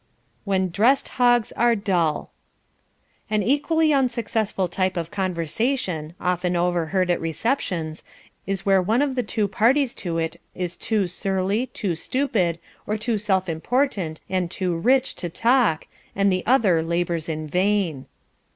When Dressed Hogs are Dull An equally unsuccessful type of conversation, often overheard at receptions, is where one of the two parties to it is too surly, too stupid, or too self important and too rich to talk, and the other labours in vain.